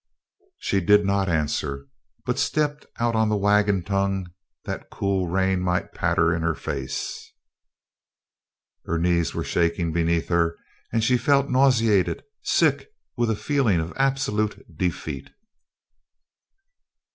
She did not answer but stepped out on the wagon tongue that the cool rain might patter in her face. Her knees were shaking beneath her and she felt nauseated sick with a feeling of absolute defeat.